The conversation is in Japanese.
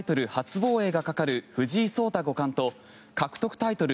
防衛がかかる藤井聡太五冠と獲得タイトル